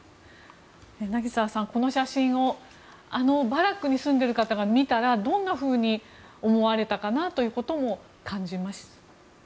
柳澤さん、この写真をあのバラックに住んでいる方が見たらどんなふうに思われたかなということも感じます。